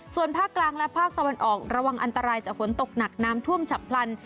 ส่วนภาคกลางและภาคตะวันออกระวังอันตรายจากฝนตกหนักน้ำท่วมฉับพลัน